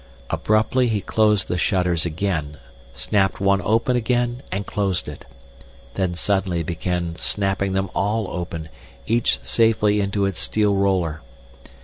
Abruptly he closed the shutters again, snapped one open again and closed it, then suddenly began snapping them all open, each safely into its steel roller.